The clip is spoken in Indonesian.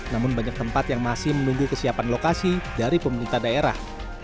namun banyak tempat yang masih menunggu kesiapan lokasi dari pemerintah daerah